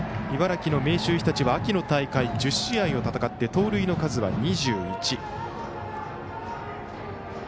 茨城の明秀日立は秋の大会１０試合を戦って盗塁の数は２１。